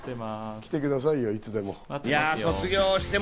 来てくださいよ、いつでも。